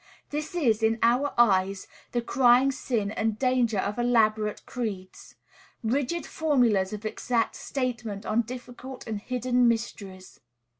This is, in our eyes, the crying sin and danger of elaborate creeds, rigid formulas of exact statement on difficult and hidden mysteries.